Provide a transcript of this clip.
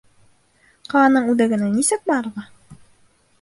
Ҡаланың үҙәгенә нисек барырға?